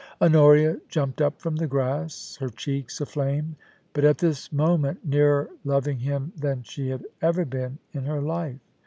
Honoria jumped up from the grass, her cheeks aflame ; but at this moment nearer loving him than she had ever been in her life.